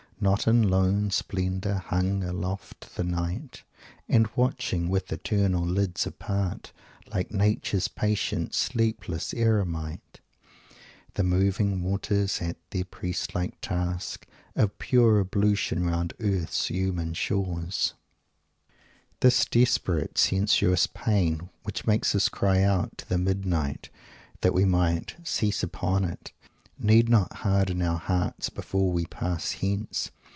Not in lone splendour hung aloft the night, And watching, with eternal lids apart, Like Nature's patient, sleepless eremite, The moving waters at their priest like task Of pure ablution round earth's human shores " This desperate, sensuous pain which makes us cry out to the "midnight" that we might "cease upon it," need not harden our hearts before we pass hence.